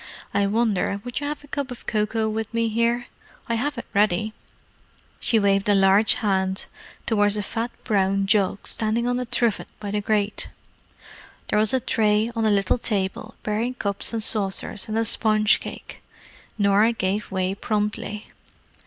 I wonder would you have a cup of cocoa with me here? I have it ready." She waved a large hand towards a fat brown jug standing on a trivet by the grate. There was a tray on a little table, bearing cups and saucers and a spongecake. Norah gave way promptly.